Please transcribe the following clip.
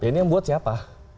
ini yang buat siapa